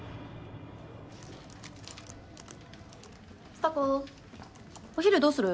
蔦子お昼どうする？